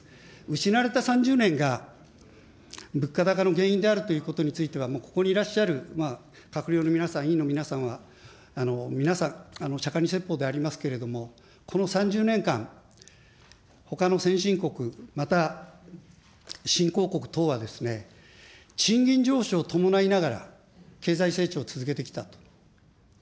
失われた３０年が物価高の原因であるということについては、もうここにいらっしゃる閣僚の皆さん、委員の皆さんは、皆さん、釈迦に説法でありますけれども、この３０年間、ほかの先進国、また新興国党は、賃金上昇を伴いながら経済成長を続けてきたと。